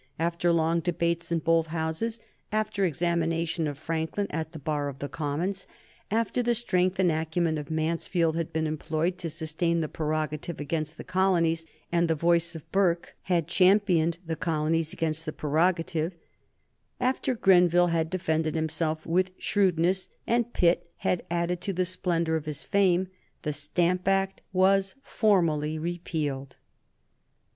After long debates in both Houses, after examination of Franklin at the bar of the Commons, after the strength and acumen of Mansfield had been employed to sustain the prerogative against the colonies and the voice of Burke had championed the colonies against the prerogative, after Grenville had defended himself with shrewdness and Pitt had added to the splendor of his fame, the Stamp Act was formally repealed.